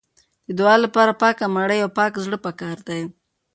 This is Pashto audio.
د دعا لپاره پاکه مړۍ او پاک زړه پکار دی.